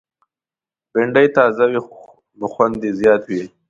بېنډۍ تازه وي، نو خوند یې زیات وي